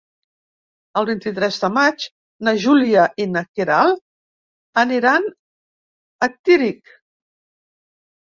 El vint-i-tres de maig na Júlia i na Queralt aniran a Tírig.